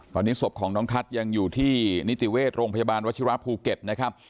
ตอนนี้ศพของน้องทัศน์ยังอยู่ที่นิติเวชโรงพยาบาลวชิระภูเก็ตนะครับ